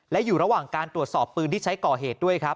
และอยู่ระหว่างการตรวจสอบปืนที่ใช้ก่อเหตุด้วยครับ